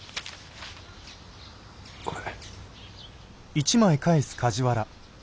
これ。